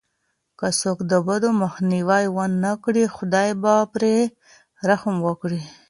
که څوک د بدو مخنيوی ونه کړي، خداي به پرې رحم وکړي.